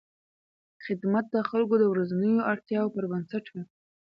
خدمت د خلکو د ورځنیو اړتیاوو پر بنسټ وي.